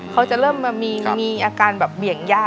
เขาจะเริ่มมามีอาการแบบเบี่ยงย่า